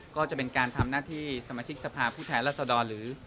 ก็จะเป็นการทำหน้าที่สมาชิกสภาพผู้แทนรัศดรหรือ